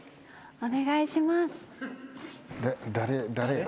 お願いします。